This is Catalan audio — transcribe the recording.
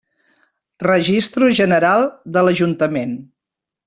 Registro General de l'Ajuntament.